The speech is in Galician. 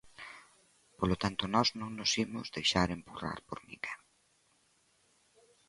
Polo tanto, nós non nos imos deixar empurrar por ninguén.